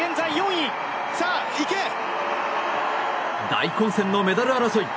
大混戦のメダル争い。